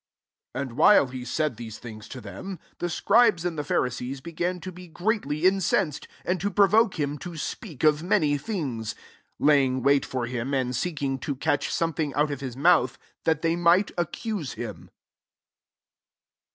*' 5S And while he said these ihings to them, the scribes and die Pharisees began to be great ly incensed, and to provoke him to speak of many things ; 54 \iayi7ig vmii for Aim and seek* ing] to catch something out of hh mouth, [that they might ac cute him,"] €h.